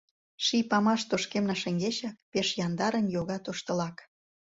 Ший памаш тошкемна шеҥгечак Пеш яндарын йога тоштылак.